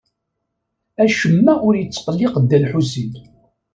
Acemma ur yettqelliq Dda Lḥusin.